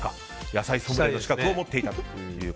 野菜ソムリエの資格を持っていたと。